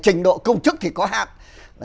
trình độ công chức thì có hạn